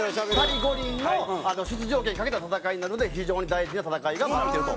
パリ五輪の出場権懸けた戦いなので非常に大事な戦いが待ってると。